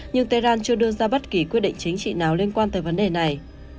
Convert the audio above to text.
nhưng tehran chưa đưa ra bất kỳ quyết định chính trị nào liên quan tới vấn đề này